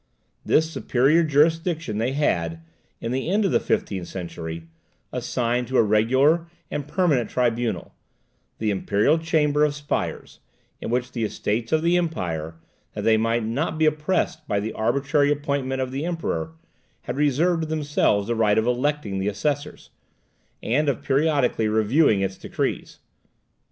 This superior jurisdiction they had, in the end of the fifteenth century, assigned to a regular and permanent tribunal, the Imperial Chamber of Spires, in which the Estates of the Empire, that they might not be oppressed by the arbitrary appointment of the Emperor, had reserved to themselves the right of electing the assessors, and of periodically reviewing its decrees.